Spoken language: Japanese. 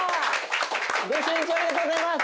御朱印帳ありがとうございます。